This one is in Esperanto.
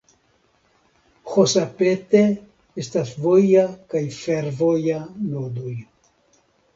Hosapete estas voja kaj fervoja nodoj.